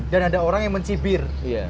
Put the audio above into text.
dan ada orang yang mencipir